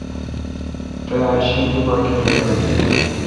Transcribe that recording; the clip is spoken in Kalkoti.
تا اک شی دی پا کری رل گین۔